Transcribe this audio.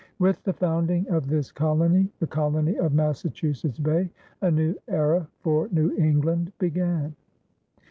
With the founding of this colony the colony of Massachusetts Bay a new era for New England began.